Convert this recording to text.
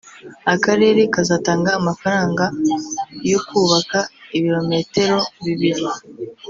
Akarere kazatanga amafaranga yo kubaka ibirometero bibiri